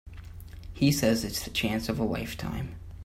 He says it's the chance of a lifetime.